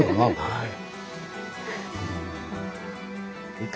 はい。